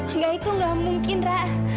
enggak itu enggak mungkin ra